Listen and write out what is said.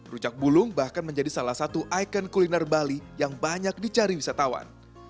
rujak bulung bahkan menjadi salah satu ikon kuliner bali yang banyak dicari wisatawan